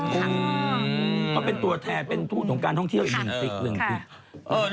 เขาเป็นตัวแทนเป็นถูกของการท่องเที่ยวอีกนิดสิบ